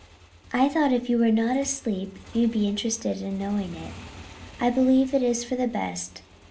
"I thought if you were not asleep you would be interested in knowing it. I believe it is for the best.